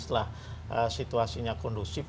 setelah situasinya kondusif